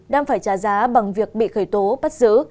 đang phải trả giá bằng việc bị khởi tố bắt giữ